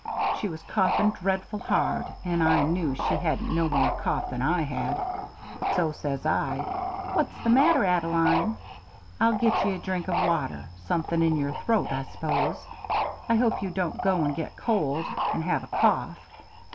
She was coughing dreadful hard, and I knew she hadn't no more cough than I had. So says I, 'What's the matter, Adaline? I'll get ye a drink of water. Something in your throat, I s'pose. I hope you won't go and get cold, and have a cough.'